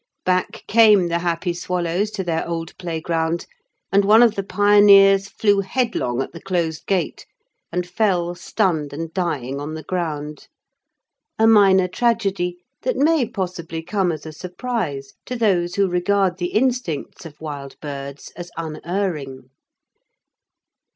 Back came the happy swallows to their old playground, and one of the pioneers flew headlong at the closed gate and fell stunned and dying on the ground, a minor tragedy that may possibly come as a surprise to those who regard the instincts of wild birds as unerring.